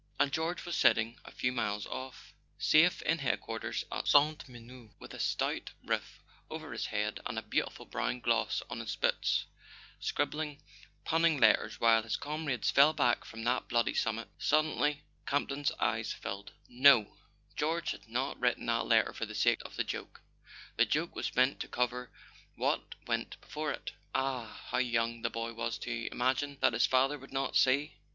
And George was sitting a few miles off, safe [ 197 ] A SON AT THE FRONT in headquarters at Sainte Menehould, with a stout roof over his head and a beautiful brown gloss on his boots, scribbling punning letters while his comrades fell back from that bloody summit. .. Suddenly Camp ton's eyes filled. No; George had not written that letter for the sake of the joke: the joke was meant to cover what went before it. Ah, how young the boy was to imagine that his father would not see!